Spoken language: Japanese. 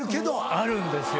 あるんですよ。